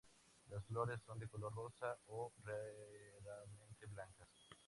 Las flores son de color rosa o raramente blancas.